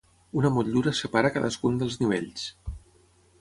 Una motllura separa cadascun dels nivells.